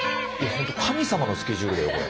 ホント神様のスケジュールだよこれ。